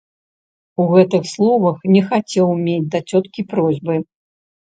У гэтых словах не хацеў мець да цёткі просьбы.